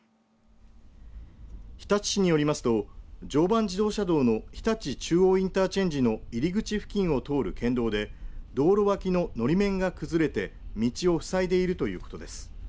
日立市によりますと常磐自動車道の日立中央インターチェンジの入り口付近を通る県道で道路脇ののり面が崩れて道を塞いでいるということです。